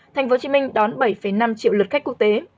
tp hcm đón bảy năm triệu lượt khách quốc tế